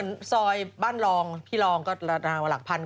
ก็เหมือนซอยบ้านรองพี่รองก็ตารางหลักพันธุ์